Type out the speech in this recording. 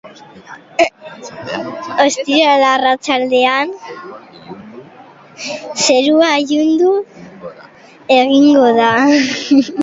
Ostiral arratsaldean zerua ilundu egingo da.